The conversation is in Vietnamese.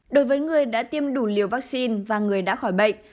đối với người đã tiêm đủ liều vaccine và người đã khỏi bệnh